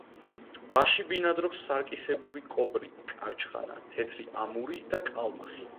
ტბაში ბინადრობს სარკისებური კობრი, კარჩხანა, თეთრი ამური და კალმახი.